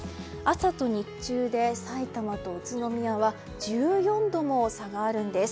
朝と日中でさいたまと宇都宮は１４度も差があるんです。